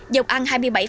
dọc ăn hai mươi bảy năm